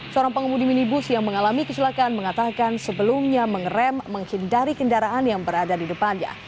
seorang pengemudi minibus yang mengalami kecelakaan mengatakan sebelumnya mengerem menghindari kendaraan yang berada di depannya